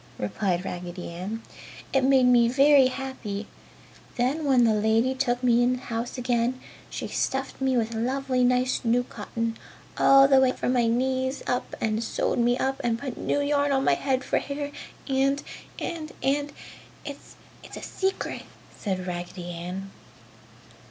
replied Raggedy Ann, "It made me very happy. Then when the lady took me in the house again she stuffed me with lovely nice new cotton, all the way from my knees up and sewed me up and put new yarn on my head for hair and and and it's a secret!" said Raggedy Ann.